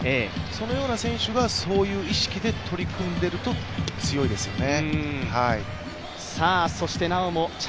そのような選手がそういう意識で取り組んでいると強いですよね。